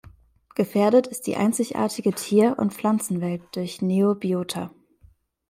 Gefährdet ist die einzigartige Tier- und Pflanzenwelt durch Neobiota.